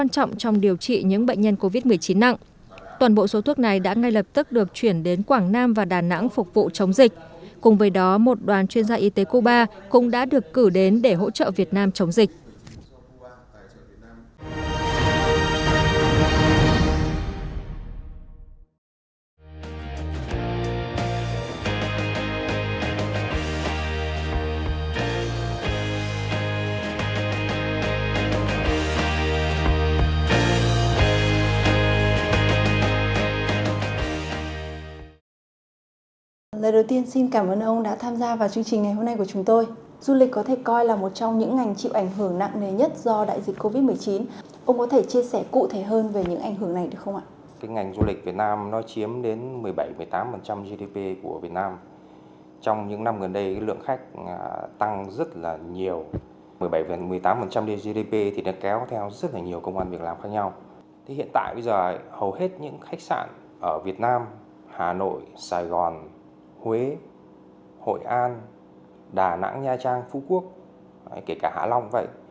có ý nghĩa đặc biệt quan trọng trong điều trị những bệnh nhân covid một mươi chín nặng